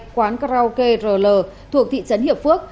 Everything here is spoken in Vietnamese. quán karaoke rl thuộc thị trấn hiệp phước